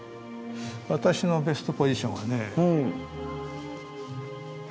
私のベストポジションはね。